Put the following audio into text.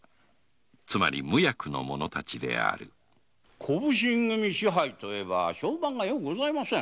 つまり無役の者たちである小普請支配といえば評判がよくございません。